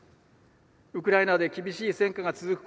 ウクライナで厳しい戦禍が続く